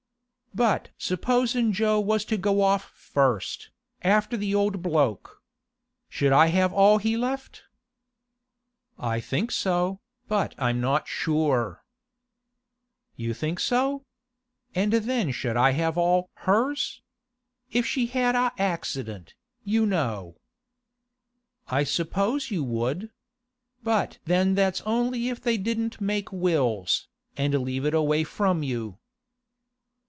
'But supposin' Jo was to go off first, after the old bloke? Should I have all he left?' 'I think so, but I'm not sure.' 'You think so? And then should I have all hers? If she had a accident, you know.' 'I suppose you would. But then that's only if they didn't make wills, and leave it away from you.